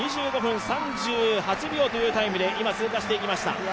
２５分３８秒というタイムで通過していきました。